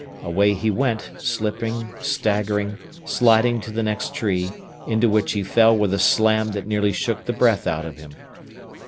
Away he went, slipping, staggering, sliding to the next tree, into which he fell with a slam that nearly shook the breath out of him.